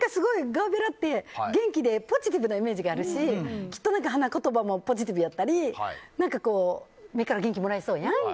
ガーベラって元気でポジティブなイメージがあるしきっと花言葉もポジティブやったり目から元気もらえそうやん。